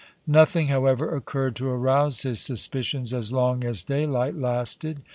Nothing, however, occurred to arouse his suspicions as long as daylight lasted.